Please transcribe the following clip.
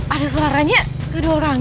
aduh ini udah keliatan